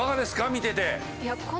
見てて。